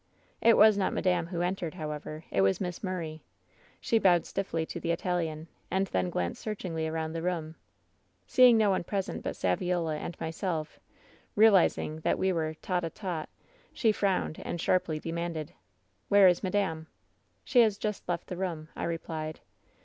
"It was not madame who entered, however; it was Miss Murray. "She bowed stiffly to the Italian, and then glanced searchingly around the room. Seeing no one present 164 WHEN SHADOWS DIE but Saviola and myself — realizing that we were tete* d'tete — she frowned and sharply demanded: " ^Where is madame V " ^She has just left the room/ I replied.